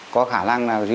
có khả năng là